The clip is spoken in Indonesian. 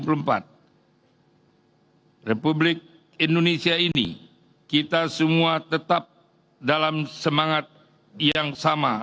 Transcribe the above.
republik indonesia ini kita semua tetap dalam semangat yang sama